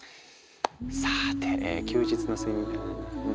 さてえ休日の睡眠。